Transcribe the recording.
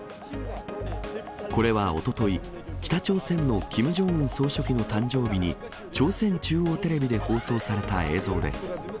これはおととい、北朝鮮のキム・ジョンウン総書記の誕生日に、朝鮮中央テレビで放送された映像です。